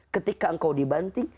ketika engkau dibanting